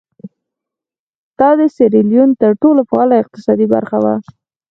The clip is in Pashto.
دا د سیریلیون تر ټولو فعاله اقتصادي برخه وه.